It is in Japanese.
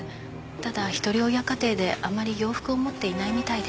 ただ一人親家庭であまり洋服を持っていないみたいで。